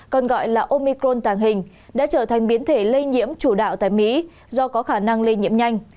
còn gọi là omicron tàng hình đã trở thành biến thể lây nhiễm chủ đạo tại mỹ do có khả năng lây nhiễm nhanh